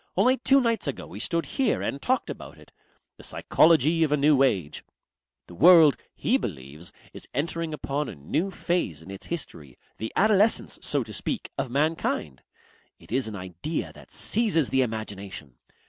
Only two nights ago we stood here and talked about it. The Psychology of a New Age. The world, he believes, is entering upon a new phase in its history, the adolescence, so to speak, of mankind. It is an idea that seizes the imagination.